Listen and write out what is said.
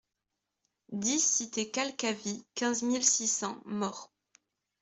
dix cité Calcavy, quinze mille six cents Maurs